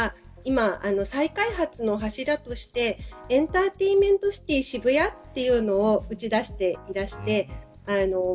東急さんの方では今、再開発の柱としてエンターテインメントＣｉｔｙ渋谷というのを打ち出していらして。